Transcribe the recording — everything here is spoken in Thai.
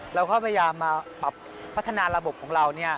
เราก็พยายามมาปรับพัฒนาระบบของเรา